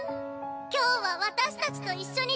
今日は私たちと一緒に」。